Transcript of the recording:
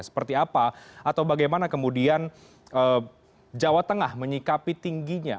seperti apa atau bagaimana kemudian jawa tengah menyikapi tingginya